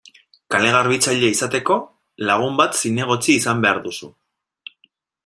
Kale-garbitzaile izateko, lagun bat zinegotzi izan behar duzu.